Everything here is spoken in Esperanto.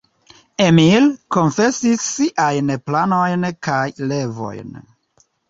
Emil konfesis siajn planojn kaj revojn.